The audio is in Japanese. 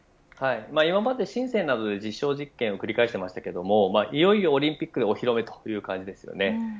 今まで深センなどで実証実験を繰り返していましたがいよいよオリンピックでもお披露目という感じですね。